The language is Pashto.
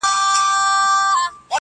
ټولنه لا هم زده کړه کوي,